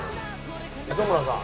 磯村さん。